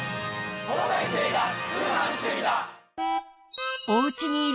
『東大生が通販してみた！！』。